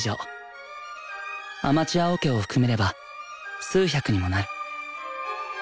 アマチュアオケを含めれば数百にもなる。